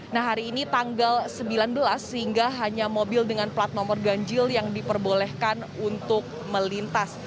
nah hari ini tanggal sembilan belas sehingga hanya mobil dengan plat nomor ganjil yang diperbolehkan untuk melintas